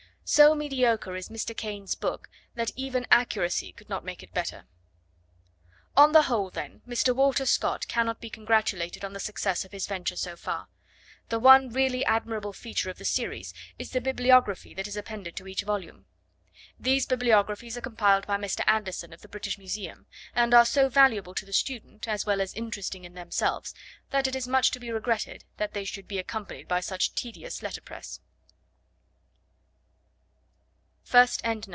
So mediocre is Mr. Caine's book that even accuracy could not make it better. On the whole, then, Mr. Walter Scott cannot be congratulated on the success of his venture so far, The one really admirable feature of the series is the bibliography that is appended to each volume. These bibliographies are compiled by Mr. Anderson, of the British Museum, and are so valuable to the student, as well as interesting in themselves, that it is much to be regretted that they should be accompanied by such tedious letterpress.